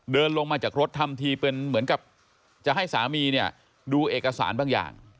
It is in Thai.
เดินลงมาจากรถทำทีเป็นเหมือนกับจะให้สามีเนี่ยดูเอกสารบางอย่าง